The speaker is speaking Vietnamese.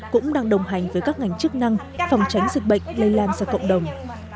cũng đang đồng hành với các ngành chức năng phòng tránh dịch bệnh lây lan ra cộng đồng